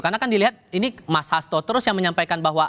karena kan dilihat ini mas hasto terus yang menyampaikan bahwa